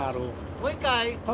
もう一回！